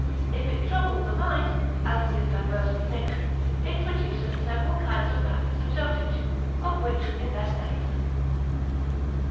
If it trouble the mind; as it is diversely mixed, it produceth several kinds of madness and dotage: of which in their place.